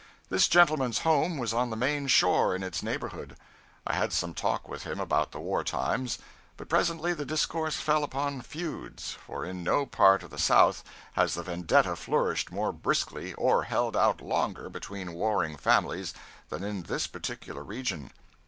This gentleman's home was on the main shore in its neighborhood. I had some talk with him about the war times; but presently the discourse fell upon 'feuds,' for in no part of the South has the vendetta flourished more briskly, or held out longer between warring families, than in this particular region.